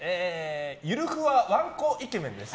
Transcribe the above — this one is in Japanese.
ゆるふわワンコイケメンです。